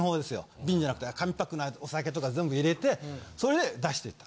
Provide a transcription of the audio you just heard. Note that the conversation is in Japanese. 瓶じゃなくて紙パックのお酒とか全部入れてそれで出していった。